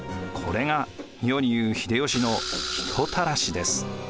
これが世に言う秀吉の人たらしです。